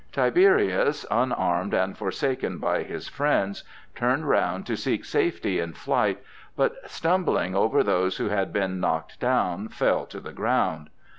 Tiberius, unarmed and forsaken by his friends, turned round to seek safety in flight, but, stumbling over those who had been knocked down, fell to the ground.